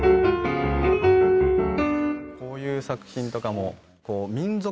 こういう作品とかも。